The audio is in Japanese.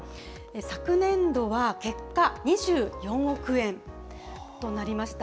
昨年度は、結果、２４億円となりました。